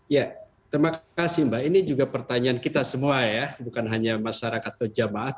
ya terima kasih mbak ini juga pertanyaan kita semua ya bukan hanya masyarakat atau jemaat